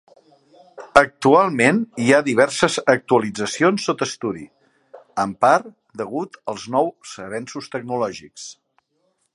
Actualment hi ha diverses actualitzacions sota estudi, en part degut als nous avenços tecnològics.